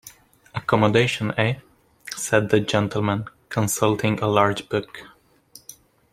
‘Accommodation, eh?’ said that gentleman, consulting a large book.